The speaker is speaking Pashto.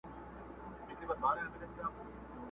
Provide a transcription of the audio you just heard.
تل دي ښاد وي پر دنیا چي دي دوستان وي!!